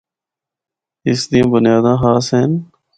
اس دیاں بنیاداں خاص ہن۔